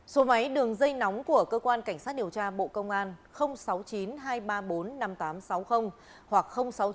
số máy đường dây nóng của cơ quan cảnh sát điều tra bộ công an sáu mươi chín hai trăm ba mươi bốn năm nghìn tám trăm sáu mươi hoặc sáu mươi chín hai trăm ba mươi một một nghìn sáu trăm